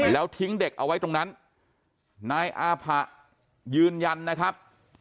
แล้วทิ้งเด็กเอาไว้ตรงนั้นนายอาผะยืนยันนะครับ